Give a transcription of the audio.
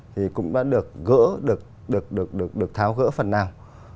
thì cũng đã được gỡ được tháo gỡ phần nào